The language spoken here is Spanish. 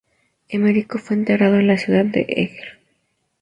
Emerico fue enterrado en la ciudad de Eger.